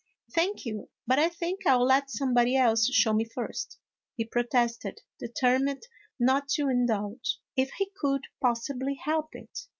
" Thank you, but I think I '11 let somebody else show me first," he protested, determined not to in dulge, if he could possibly help it.